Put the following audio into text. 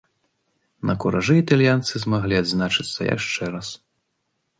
На куражы італьянцы змаглі адзначыцца яшчэ раз.